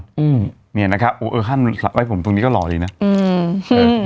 อืมเนี่ยนะครับโอ้เออฮัมไว้ผมตรงนี้ก็หล่อดีนะอืม